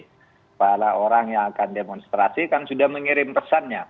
jadi para orang yang akan demonstrasi kan sudah mengirim pesannya